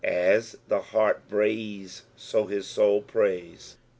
As the hart brap so hia soul prays.